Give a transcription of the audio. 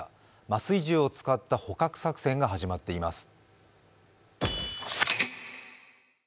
麻酔銃を使った捕獲作戦が始まっています。